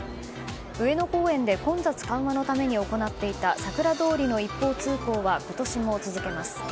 上野公園で混雑緩和のために行っていたさくら通りの一方通行は今年も続けます。